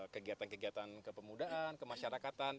kegiatan kegiatan kepemudaan kemasyarakatan